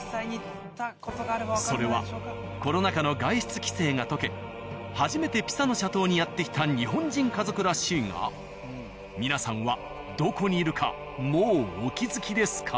それはコロナ禍の外出規制が解け初めてピサの斜塔にやって来た日本人家族らしいが皆さんはどこにいるかもうお気づきですか？